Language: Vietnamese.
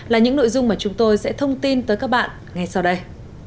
là những nội dung mà chúng tôi sẽ thông tin tới các bạn ngay sau đây